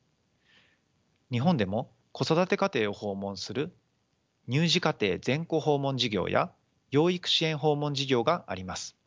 日本でも子育て家庭を訪問する乳児家庭・全戸訪問事業や養育支援・訪問事業があります。